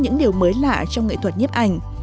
những điều mới lạ trong nghệ thuật nhếp ảnh